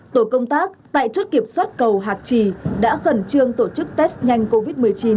tổ công tác tại chốt kiểm soát cầu hạc trì đã khẩn trương tổ chức test nhanh covid một mươi chín